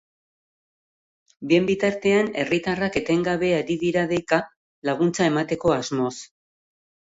Bien bitartean, herritarrak etengabe ari dira deika, laguntza emateko asmoz.